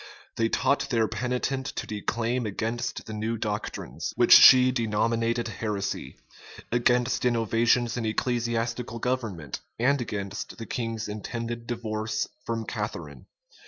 They taught their penitent to declaim against the new doctrines, which she denominated heresy; against innovations in ecclesiastical government; and against the king's intended divorce from Catharine.